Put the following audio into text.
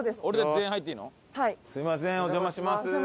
お邪魔します。